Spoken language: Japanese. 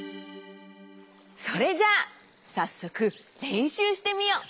それじゃあさっそくれんしゅうしてみよう。